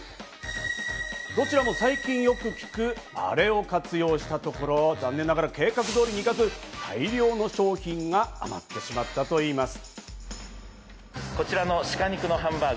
どちらも最近よく聞くアレを活用したところ、残念ながら計画通りにいかず大量の商品が余ってしまったといいます。